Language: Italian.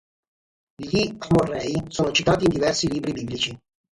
Gli Amorrei sono citati in diversi libri biblici.